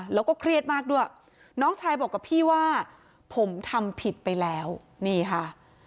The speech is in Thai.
แล้วก็เครียดมากด้วยน้องชายบอกกับพี่ว่าผมทำผิดไปแล้วนี่ค่ะ